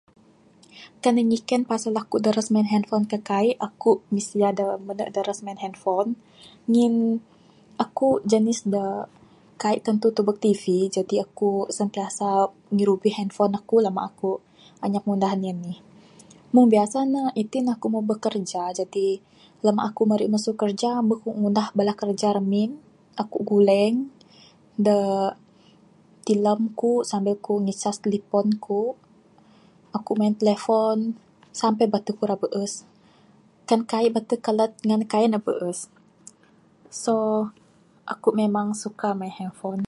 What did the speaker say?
Kan nuh nyiken pasal aku daras main handphone kah kaii, aku misia da daras main handphone, ngin aku jenis da kaii tentu tubek tv jadi aku sentiasa ngirubi handphone aku lah aku anyap ngunah anih anih. Mung biasa nuh itn nuh aku mh bekerja, jadi lema aku marik masu kerja muh ku ngunah bala kerja ramin, aku nguleng da tilam ku sambil aku ngicas tilipon aku, aku main telefon sampe bateh ku rak beus. Kan kaii bateh kalat ngan kaii nuh rak beus. So aku memang suka main handphone.